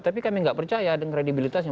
tapi kami nggak percaya dengan kredibilitasnya